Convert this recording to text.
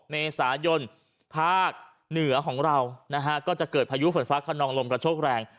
เมษายนภาคเหนือของเรานะฮะก็จะเกิดพายุฝนฟ้าขนองลมกระโชคแรง